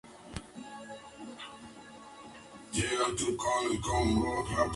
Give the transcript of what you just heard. Las torres y las aspas pueden provenir de varios lugares.